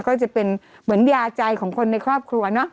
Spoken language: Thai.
ก็จะเป็นเหมือนยาใจของคนในครอบครัวเนอะ